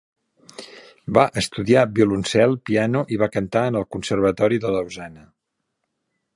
Va estudiar violoncel, piano i va cantar en el conservatori de Lausana.